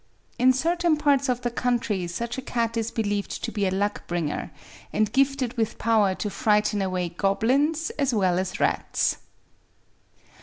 In certain parts of the country such a cat is believed to be a luck bringer, and gifted with power to frighten away goblins as well as rats.